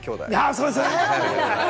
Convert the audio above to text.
そうですよね。